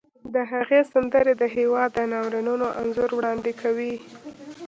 د هغې سندرې د هېواد د ناورینونو انځور وړاندې کوي